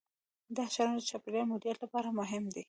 دا ښارونه د چاپیریال د مدیریت لپاره مهم دي.